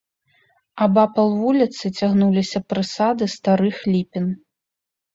Абапал вуліцы цягнуліся прысады старых ліпін.